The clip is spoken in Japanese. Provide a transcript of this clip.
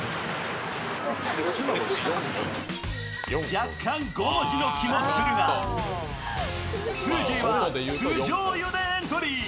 若干５文字の気もするが、すーじーは酢じょう油でエントリー。